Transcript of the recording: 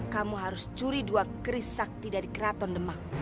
kamu harus curi dua keris sakti dari keraton demak